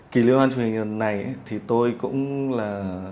kỳ liên hoan truyền hình này thì tôi cũng là